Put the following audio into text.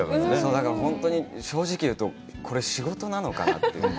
だから本当に正直言うとこれ、仕事なのかなという。